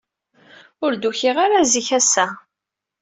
Ur d-ukiɣ ara zik ass-a.